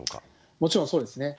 もちろんそうですね。